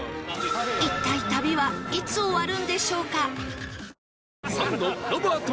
一体旅はいつ終わるんでしょうか？